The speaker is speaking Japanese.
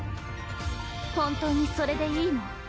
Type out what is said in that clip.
本当にそれでいいの？